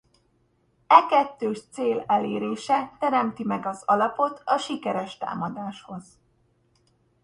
E kettős cél elérése teremti meg az alapot a sikeres támadáshoz.